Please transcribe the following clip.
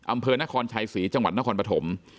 อำเภอนครชัยศรีจังหวัดนครปฐม